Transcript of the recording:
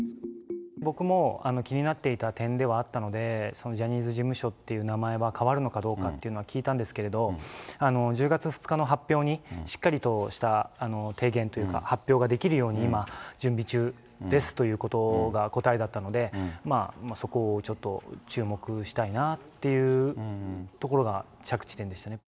僕も気になっていた点ではあったので、そのジャニーズ事務所っていう名前は変わるのかどうかっていうのは聞いたんですけれども、１０月２日の発表にしっかりとした提言というか、発表ができるように今、準備中ですということが答えだったので、そこをちょっと注目したいなっていうところが着地点ですね。